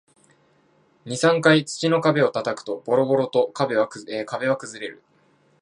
二、三回土の壁を叩くと、ボロボロと壁は崩れる